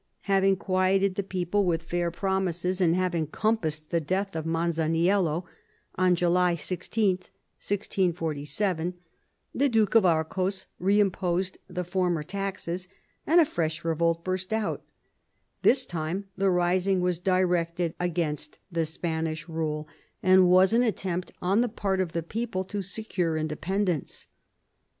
Having quieted the people with fair promises, and 28 MAZABIN chap. having compassed the death of Masaniello on July 16, 1647, the Duke of Arcos reimposed the former taxes, and a fresh revolt burst out. This time the rising was directed against the Spanish rule, and was an attempt on the part of the people to secure independence.